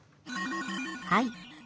はい。